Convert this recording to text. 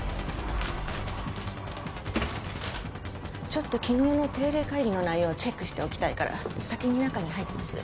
ちょっと昨日の定例会議の内容をチェックしておきたいから先に中に入ります